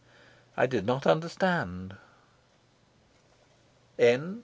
I did not understand.